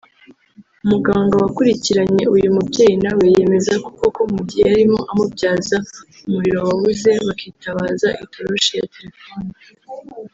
umuganga wakurikiranye uyu mubyeyi nawe yemeza ko koko mugihe yarimo amubyaza umuriro wabuze bakitabaza itoroshi ya telephone